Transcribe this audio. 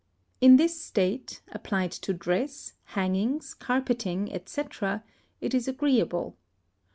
In this state, applied to dress, hangings, carpeting, &c., it is agreeable.